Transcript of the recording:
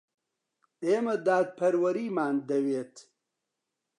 ئێمە دادپەروەریمان دەوێت.